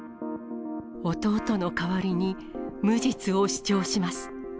弟の代わりに無実を主張します。